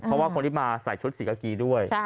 เพราะว่าคนที่มาใส่ชุดสีกากีด้วย